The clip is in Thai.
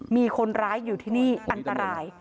มีคนร้ายอยู่ที่นี่อันตราย